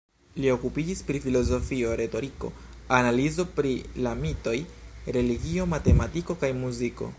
Li okupiĝis pri filozofio, retoriko, analizo pri la mitoj, religio, matematiko kaj muziko.